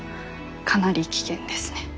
かなり危険ですね。